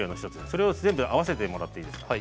それを全部合わせてもらっていいですか？